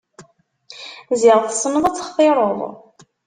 Ziɣ tessneḍ ad textireḍ.